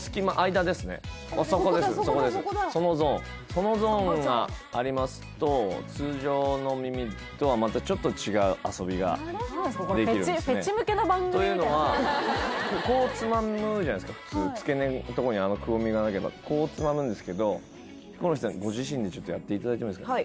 そのゾーンがありますと通常の耳とはまたちょっと違う遊びができるんですねというのはこうつまむじゃないですか普通付け根のとこにあのくぼみがなければこうつまむんですけどヒコロヒーさんご自身でちょっとやっていただいてもいいですか？